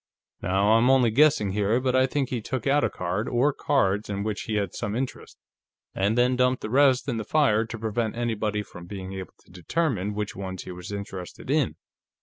Now, I'm only guessing, here, but I think he took out a card or cards in which he had some interest, and then dumped the rest in the fire to prevent anybody from being able to determine which ones he was interested in.